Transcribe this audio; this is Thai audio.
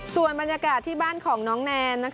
ส่วนบรรยากาศที่บ้านของน้องแนน